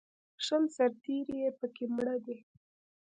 شل سرتېري یې په کې مړه دي